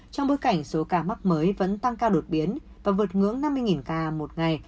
trong bối cảnh số ca mắc mới vẫn tăng cao đột biến và vượt ngưỡng năm mươi ca một ngày